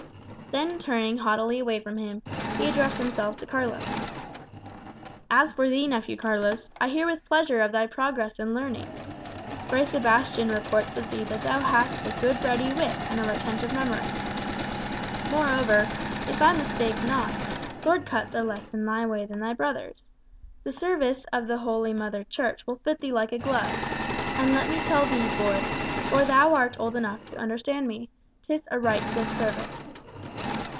Then turning haughtily away from him, he addressed himself to Carlos: "As for thee, nephew Carlos, I hear with pleasure of thy progress in learning. Fray Sebastian reports of thee that thou hast a good ready wit and a retentive memory. Moreover, if I mistake not, sword cuts are less in thy way than in thy brother's. The service of Holy Mother Church will fit thee like a glove; and let me tell thee, boy, for thou art old enough to understand me, 'tis a right good service.